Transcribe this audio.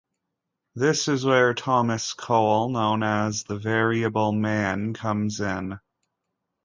This is where Thomas Cole, known as "The Variable Man", comes in.